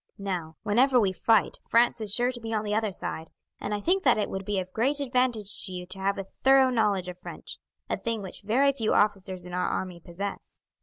Now, whenever we fight France is sure to be on the other side, and I think that it would be of great advantage to you to have a thorough knowledge of French a thing which very few officers in our army possess.